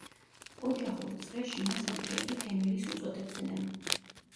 ოჯახურ წრეში მას მოფერებით „ემილის“ უწოდებდნენ.